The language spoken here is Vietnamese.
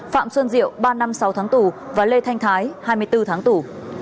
phạm xuân diệu ba năm sáu tháng tù và lê thanh thái hai mươi bốn tháng tù